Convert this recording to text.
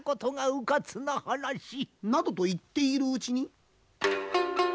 うかつな話。などと言っているうちに。